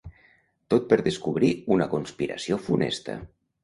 Tot per descobrir una conspiració funesta.